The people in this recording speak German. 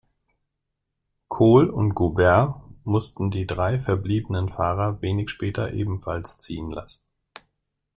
Kohl und Goubert mussten die drei verbliebenen Fahrer wenig später ebenfalls ziehen lassen.